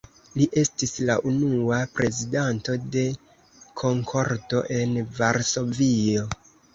Li estis la unua prezidanto de „Konkordo“ en Varsovio.